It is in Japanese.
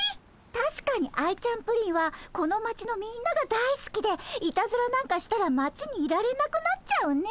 たしかにアイちゃんプリンはこの町のみんながだいすきでいたずらなんかしたら町にいられなくなっちゃうね。